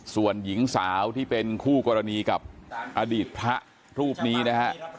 ส่วนหญิงสาวที่เป็นคู่กรณีกับอดีตพระรูปนี้นะฮะ